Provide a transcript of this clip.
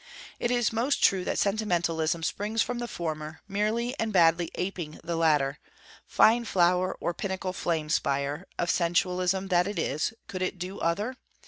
It is most true that sentimentalism springs from the former, merely and badly aping the latter, fine flower, or pinnacle flame spire, of sensualism that it is, could it do other?